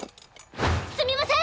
すみません！